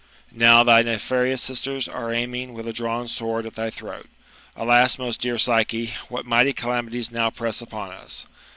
Now, thy nefarious sisters are aiming with a drawn sword at thy throat. Alas ! most dear Psyche, what mighty calamities now press upon us?